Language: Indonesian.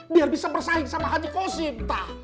biar bisa bersaing sama haji kosim